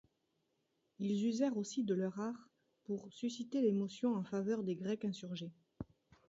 Ils usèrent aussi de leur art pour susciter l'émotion en faveur des Grecs insurgés.